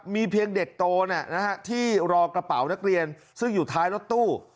มีเพียงเด็กโตที่รอกระเป๋านักเรียนซึ่งอยู่ท้ายรถตู้